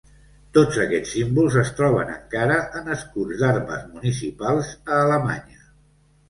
Tots aquests símbols es troben encara en escuts d’armes municipals a Alemanya.